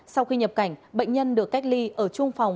sau khi nhập cảnh bệnh nhân được cách ly ở trung phòng